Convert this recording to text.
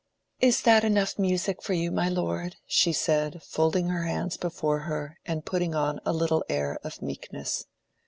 "Is that enough music for you, my lord?" she said, folding her hands before her and putting on a little air of meekness.